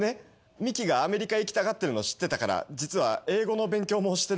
ミキがアメリカへ行きたがってるの知ってたから実は英語の勉強もしてるんだよ。